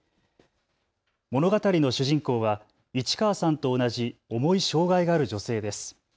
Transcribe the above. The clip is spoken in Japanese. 物語の主人公は市川さんと同じ重い障害がある女性です。